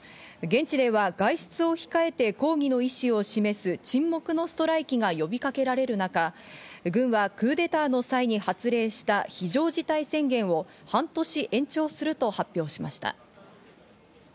現地では外出を控えて抗議の意思を示す、沈黙のストライキが呼びかけられる中、軍はクーデターの際に発令した非常事態宣言を半年延長すると発表しました。